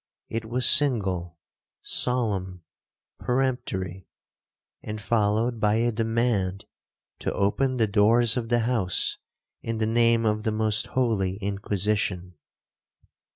It was single, solemn, peremptory,—and followed by a demand to open the doors of the house in the name of the most holy Inquisition.